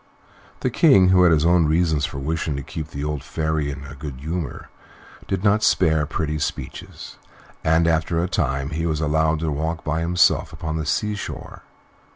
The King, who had his own reasons for wishing to keep the old Fairy in a good humor, did not spare pretty speeches, and after a time he was allowed to walk by himself upon the sea shore.